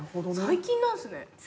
最近なんすね。